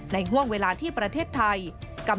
ห่วงเวลาที่ประเทศไทย